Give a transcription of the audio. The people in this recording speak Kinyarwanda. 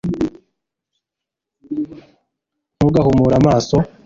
ntugahumure amaso